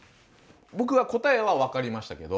僕は答えは分かりましたけど。